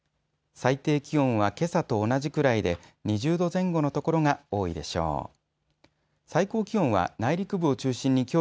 最低気温はけさと同じくらいで２０度前後の所が多いでしょう。